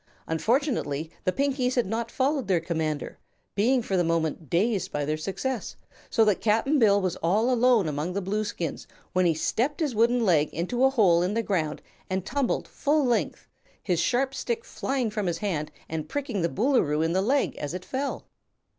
Unfortunately the Pinkies had not followed their commander, being for the moment dazed by their success, so that Cap'n Bill was all alone among the Blueskins when he stepped his wooden leg into a hole in the ground and tumbled full length, his sharp stick flying from his hand and pricking the Boolooroo in the leg as it fell.